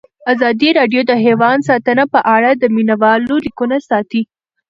ازادي راډیو د حیوان ساتنه په اړه د مینه والو لیکونه لوستي.